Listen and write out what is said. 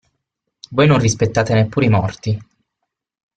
Voi non rispettate neppure i morti.